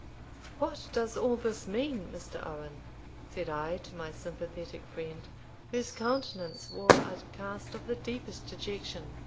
"What does all this mean, Mr. Owen?" said I to my sympathetic friend, whose countenance wore a cast of the deepest dejection.